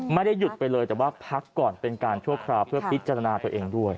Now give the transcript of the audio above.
ไม่ได้หยุดไปเลยแต่ว่าพักก่อนเป็นการชั่วคราวเพื่อพิจารณาตัวเองด้วย